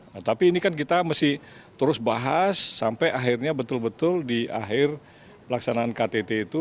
nah tapi ini kan kita mesti terus bahas sampai akhirnya betul betul di akhir pelaksanaan ktt itu